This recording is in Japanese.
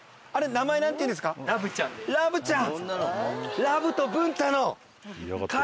ラブちゃん。